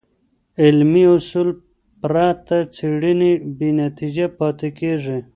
علمي اصول پرته څېړنې بېنتیجه پاتې کېږي.